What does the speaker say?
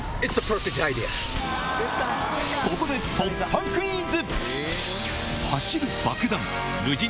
ここで突破クイズ！